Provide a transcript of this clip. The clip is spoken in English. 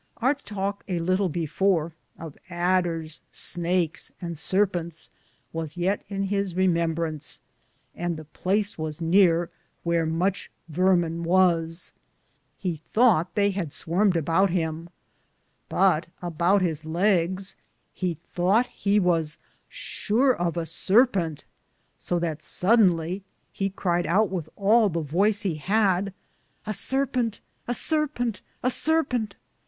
Our talk a litle before, of Aders, snakes, and sarpentes, was yeat in his rememberance, and the place was neare wheare muche varmen was. He thoughte they had swarmed aboute him, but aboute his legges he Thought he was sur of a sarpente, so that soddonly he cried oute with all the voyce he hade: A sarpente ! a sarpente ! a sarpente!